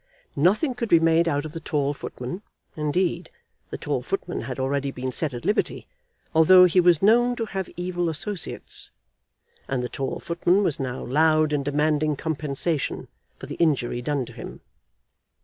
Nothing could be made out of the tall footman; indeed, the tall footman had already been set at liberty, although he was known to have evil associates; and the tall footman was now loud in demanding compensation for the injury done to him.